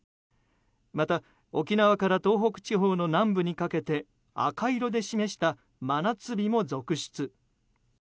また、沖縄から東北地方の南部にかけて赤色で示した真夏日も続出。